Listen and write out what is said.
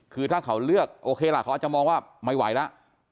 คือถ้าเขาเลือกโอเคล่ะเขาอาจจะมองว่าไม่ไหวแล้ว